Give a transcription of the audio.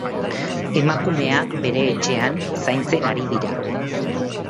Emakumea bere etxean zaintzen ari dira.